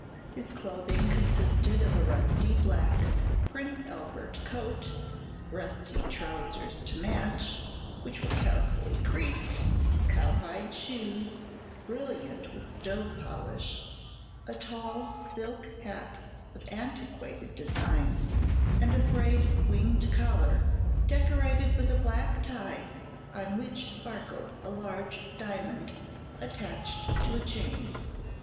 His clothing consisted of a rusty black Prince Albert coat, rusty trousers to match, which were carefully creased, cowhide shoes brilliant with stove polish, a tall silk hat of antiquated design, and a frayed winged collar decorated with a black tie on which sparkled a large diamond attached to a chain.